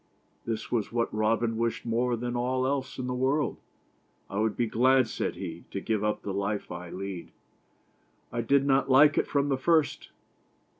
This was what Robin wished more than all else in the world. " I would be glad," said he, " to give up the life I lead. I did not like it from the first.